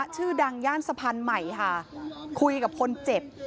ชื่อดังย่านสะพานใหม่ค่ะคุยกับคนเจ็บ